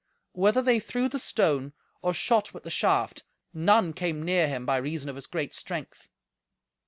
Whether they threw the stone or shot with the shaft, none came near him by reason of his great strength.